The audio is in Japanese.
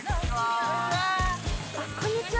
こんにちは！